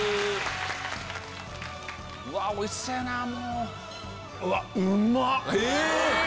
うわおいしそうやなぁ。